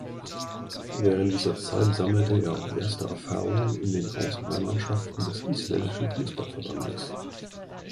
Während dieser Zeit sammelte er auch erste Erfahrungen in den Auswahlmannschaften des isländischen Fußballverbandes.